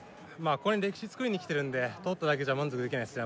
ここに歴史つくりに来てるんで通っただけじゃ満足できないです